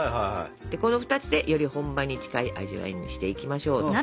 この２つでより本場に近い味わいにしていきましょう。